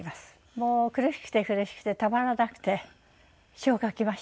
もう苦しくて苦しくてたまらなくて詩を書きました。